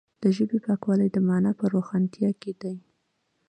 د ژبې پاکوالی د معنا په روښانتیا کې دی.